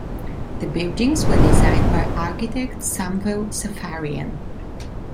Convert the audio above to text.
The buildings were designed by architect Samvel Safarian.